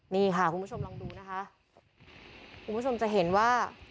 นี่ค่ะคุณผู้ชมลองดูนะคะคุณผู้ชมจะเห็นว่า